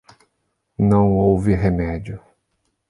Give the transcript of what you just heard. Não houve remédio.